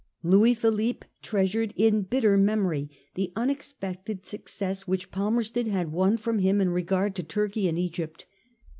Louis Philippe treasured in bitter memory the unexpected success which Pal merston had won from him in regard to Turkey and Egypt.